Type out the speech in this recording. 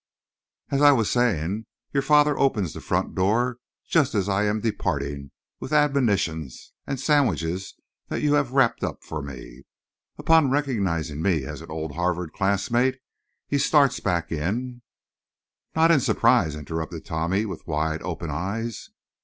As I was saying, your father opens the front door just as I am departing with admonitions and sandwiches that you have wrapped up for me. Upon recognizing me as an old Harvard classmate he starts back in—" "Not in surprise?" interrupted Tommy, with wide, open eyes.